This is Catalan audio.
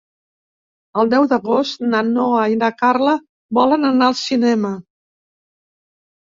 El deu d'agost na Noa i na Carla volen anar al cinema.